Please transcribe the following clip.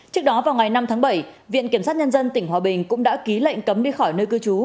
trước đó vào ngày năm tháng bảy viện kiểm sát nhân dân tỉnh hòa bình cũng đã ký lệnh cấm đi khỏi nơi cư trú